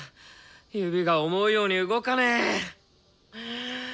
指が思うように動かねぇ！